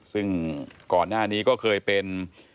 ซึ่งก่อนหน้านี้ก็เคยเป็น